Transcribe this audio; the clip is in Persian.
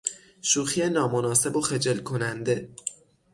شوخی نامناسب و خجل کننده